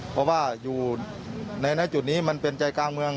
เพราะว่าอยู่ในจุดนี้มันเป็นใจกลางเมือง